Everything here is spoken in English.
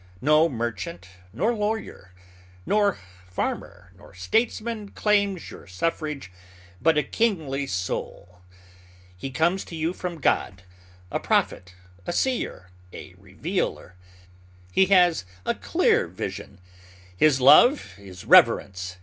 No merchant, nor lawyer, nor farmer, nor statesman claims your suffrage, but a kingly soul. He comes to you from God, a prophet, a seer, a revealer. He has a clear vision. His love is reverence.